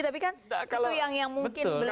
tapi kan itu yang mungkin di tangkap esensinya